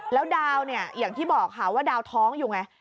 แล้วดาวเนี่ยอย่างที่บอกค่ะว่าดาวท้องอยู่ไง